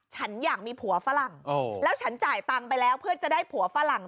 ฉันอยากมีผัวฝรั่งแล้วฉันจ่ายตังค์ไปแล้วเพื่อจะได้ผัวฝรั่ง